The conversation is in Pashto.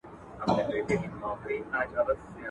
ما مي له ژوندون سره یوه شېبه منلې ده ..